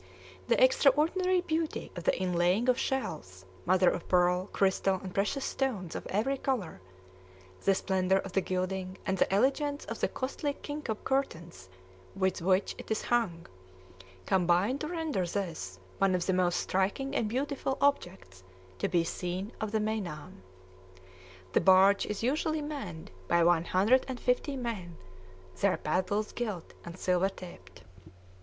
The extraordinary beauty of the inlaying of shells, mother of pearl, crystal, and precious stones of every color, the splendor of the gilding, and the elegance of the costly kinkob curtains with which it is hung, combine to render this one of the most striking and beautiful objects to be seen on the Meinam. The barge is usually manned by one hundred and fifty men, their paddles gilt and silver tipped.